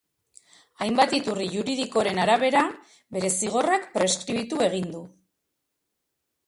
Hainbat iturri juridikoren arabera, bere zigorrak preskribitu egin du.